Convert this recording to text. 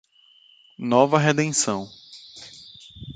Nova Redenção